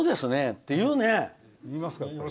って言うね。